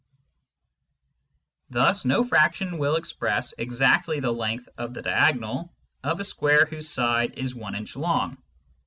Thus no fraction will express exactly the length of the diagonal of a square whose side is one inch long.